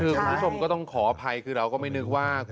คือคุณผู้ชมก็ต้องขออภัยคือเราก็ไม่นึกว่า